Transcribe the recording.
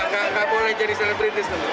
gak boleh jadi selendriti tuh